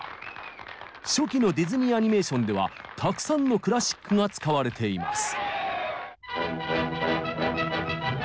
初期のディズニーアニメーションではたくさんのクラシックが使われています。